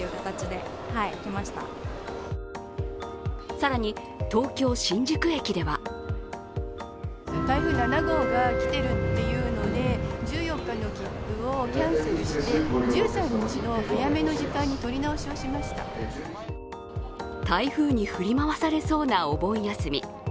更に、東京・新宿駅では台風に振り回されそうなお盆休み。